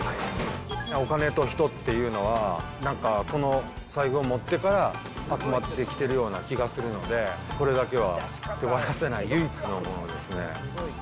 お金と人っていうのは、なんかこの財布を持ってから集まってきてるような気がするので、これだけは手放せない唯一のものですね。